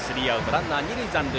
ランナー、二塁残塁。